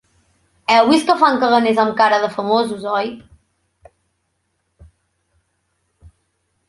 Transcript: Heu vist que fan caganers amb cares de famosos, oi?